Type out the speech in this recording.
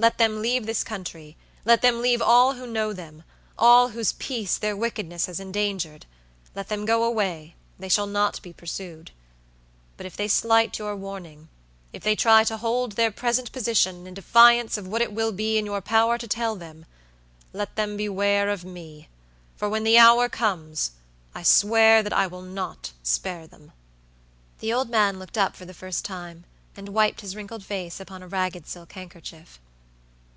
Let them leave this country; let them leave all who know themall whose peace their wickedness has endangered; let them go awaythey shall not be pursued. But if they slight your warningif they try to hold their present position in defiance of what it will be in your power to tell themlet them beware of me, for, when the hour comes, I swear that I will not spare them." The old man looked up for the first time, and wiped his wrinkled face upon a ragged silk handkerchief.